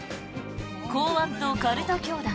公安とカルト教団